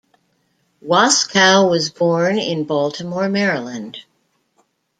Waskow was born in Baltimore, Maryland.